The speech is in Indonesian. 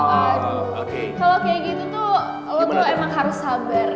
kalo kayak gitu tuh lo tuh emang harus sabar